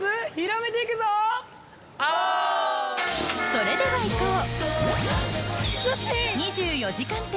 それではいこう！